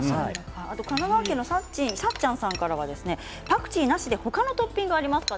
神奈川県の方がパクチーなしで他のトッピングはありますか？